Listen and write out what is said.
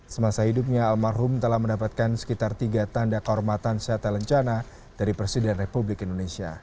semasa hidupnya almarhum telah mendapatkan sekitar tiga tanda kehormatan siapa lencana dari presiden republik indonesia